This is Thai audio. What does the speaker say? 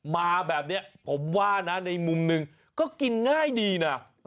มาแบบนี้ผมว่านะในมุมหนึ่งก็กินง่ายดีนะ